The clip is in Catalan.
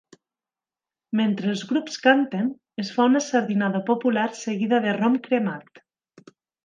Mentre els grups canten, es fa una sardinada popular seguida de rom cremat.